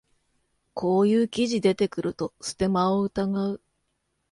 こういう記事出てくるとステマを疑う